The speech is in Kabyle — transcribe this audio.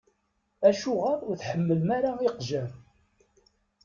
Acuɣer ur tḥemmlem ara iqjan?